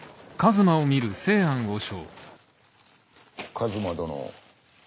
一馬殿。